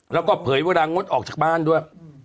แล้วก็เผยเวลางดออกจากบ้านด้วย